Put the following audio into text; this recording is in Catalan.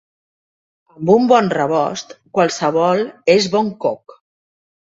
Amb un bon rebost qualsevol és bon coc.